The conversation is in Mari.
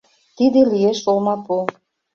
Тиде лиеш олмапу.